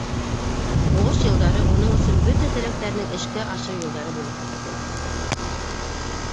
Һуғыш йылдары уның өсөн бөтә теләктәренең эшкә ашыу йылдары булып китте.